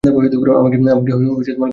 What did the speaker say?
আমাকে গাল দিয়ে বসবে।